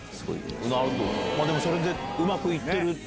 まぁでもそれでうまくいってるという。